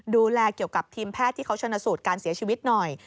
ดูแลเกี่ยวกับทีมแพทย์ที่เขาชนะสูตรการเสียชีวิตหน่อย